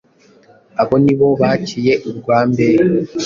Abo nibo Baciye urwa mbehe